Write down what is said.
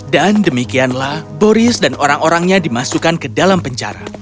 demikianlah boris dan orang orangnya dimasukkan ke dalam penjara